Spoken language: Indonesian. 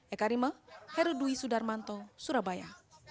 eka rima herudwi sudarmanto surabaya